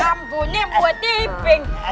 kampunya buat iping